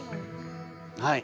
はい。